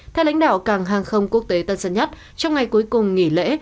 theo lãnh đạo càng hàng không quốc tế tân sân nhất trong ngày cuối cùng nghỉ lễ